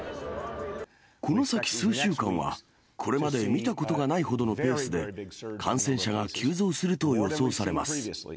この先数週間は、これまで見たことがないほどのペースで、感染者が急増すると予想されます。